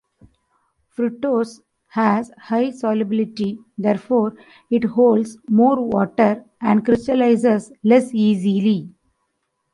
Fructose has high solubility, therefore it holds more water and crystallizes less easily.